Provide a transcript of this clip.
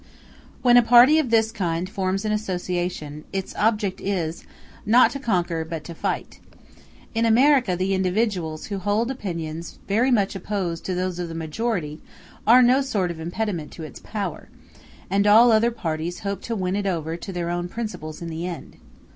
When a party of this kind forms an association, its object is, not to conquer, but to fight. In America the individuals who hold opinions very much opposed to those of the majority are no sort of impediment to its power, and all other parties hope to win it over to their own principles in the end.